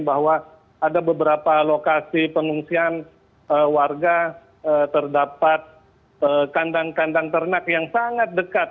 bahwa ada beberapa lokasi pengungsian warga terdapat kandang kandang ternak yang sangat dekat